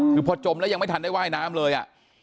คือพอจมแล้วยังไม่ทันได้ว่ายน้ำเลย